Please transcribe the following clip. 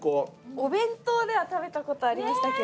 お弁当では食べた事ありましたけど。